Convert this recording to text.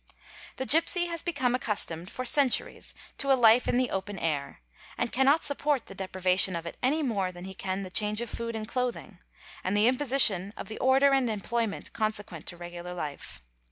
The gipsy has become accustomed for centuries 8376 WANDERING TRIBES to a life in the open air and cannot support the deprivation of it any more — than he can the change of food and clothing, and the imposition of the order and employment consequent to regular life.